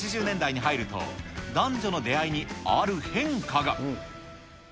そして１９８０年代に入ると、男女の出会いにある変化が。